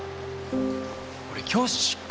俺教師失格だよ